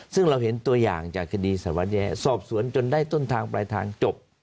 ซึ่งเราเห็นตัวอย่างจากคดีสวัสแยะสอบสวนจนได้ต้นทางปลายทางจบ